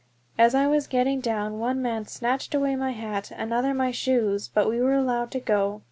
As I was getting down one man snatched away my hat, another my shoes; but we were allowed to go.